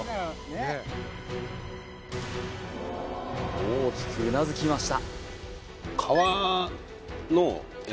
大きくうなずきました